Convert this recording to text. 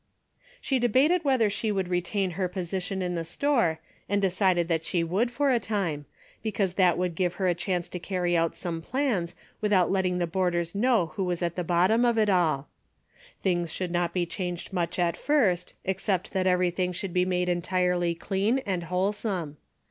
She debated whether she would retain her A DAILY RATE.'>^ 49 position in the store and decided that she would for a time, because that would give her a chance to carry out some plans without let ting the boarders know who was at the bot tom of it all. Things should not be changed much at first, except that everything should be made entirely clean and wholesome.